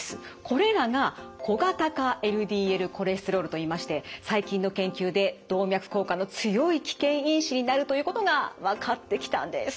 これらが小型化ＬＤＬコレステロールといいまして最近の研究で動脈硬化の強い危険因子になるということが分かってきたんです。